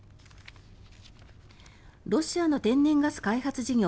ロシアの天然ガス開発事業